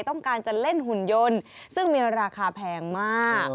ต้องการจะเล่นหุ่นยนต์ซึ่งมีราคาแพงมาก